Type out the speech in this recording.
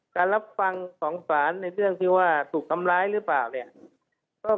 การรับฟังของศาลในเรื่องว่าถูกทำร้ายหรือเปล่า